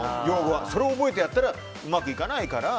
それを覚えてやったらうまくいかないから。